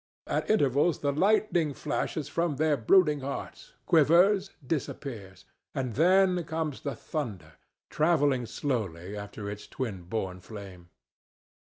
At intervals the lightning flashes from their brooding hearts, quivers, disappears, and then comes the thunder, travelling slowly after its twin born flame.